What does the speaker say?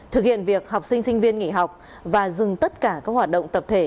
thực hiện việc học sinh sinh viên nghỉ học và dừng tất cả các hoạt động tập thể